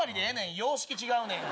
様式違うねん。